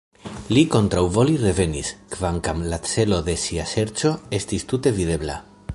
Li kontraŭvole revenis, kvankam la celo de sia serĉo estis tute videbla.